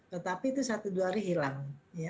tetapi itu satu dua hari hilang